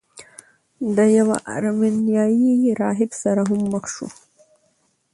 له یوه ارمینیايي راهب سره هم مخ شو.